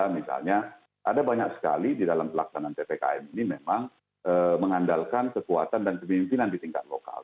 misalnya ada banyak sekali di dalam pelaksanaan ppkm ini memang mengandalkan kekuatan dan kepemimpinan di tingkat lokal